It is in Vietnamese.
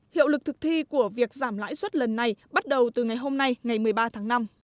hiệu lực thực thi của việc giảm lãi suất lần này bắt đầu từ ngày hôm nay ngày một mươi ba tháng năm